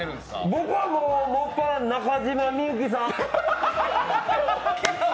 僕はもっぱら中島みゆきさん。